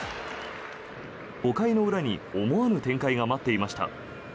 ５回の裏に思わぬ展開が待っていました。